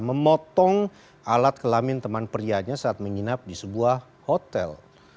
memotong alat kelamin teman prianya saat menginap di sebuah hotel